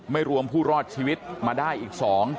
รวมผู้รอดชีวิตมาได้อีก๒